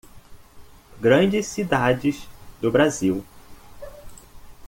Grandes cidades do Brasil.